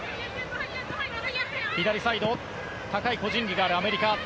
左サイド高い個人技があるアメリカ。